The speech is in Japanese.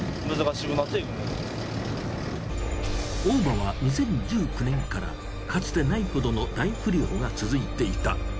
大間は２０１９年からかつてないほどの大不漁が続いていた。